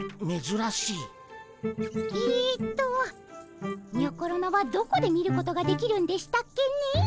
えっとにょころのはどこで見ることができるんでしたっけねえ。